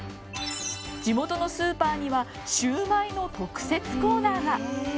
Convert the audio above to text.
地元のスーパーにはシューマイの特設コーナーが。